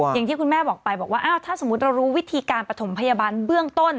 อย่างที่คุณแม่บอกไปบอกว่าอ้าวถ้าสมมุติเรารู้วิธีการปฐมพยาบาลเบื้องต้น